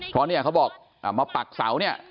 เพราะเนี่ยเขาบอกมาปักเสาเนี่ย